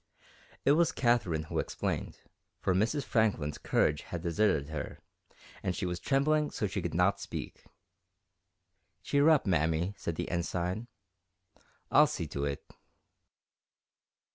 It was Katherine who explained, for Mrs. Franklin's courage had deserted her, and she was trembling so she could not speak. "Cheer up, Mamie," said the Ensign "I'll see to it."